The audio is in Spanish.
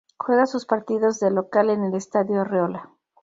Juega sus partidos de local en el Estadio Arreola.